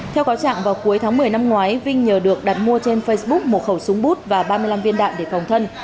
theo cáo trạng vào cuối tháng một mươi năm ngoái vinh nhờ được đặt mua trên facebook một khẩu súng bút và ba mươi năm viên đạn để phòng thân